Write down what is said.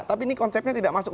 tapi ini konsepnya tidak masuk